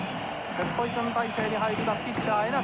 セットポジション体勢に入りますピッチャー江夏。